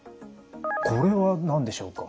これは何でしょうか？